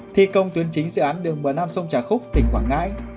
thi công tuyến chính dự án đường một mươi năm sông trà khúc tỉnh quảng ngãi